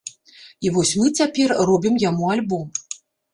І вось мы цяпер робім яму альбом.